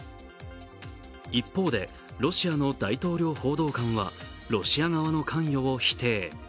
一方で、ロシアの大統領報道官はロシア側の関与を否定。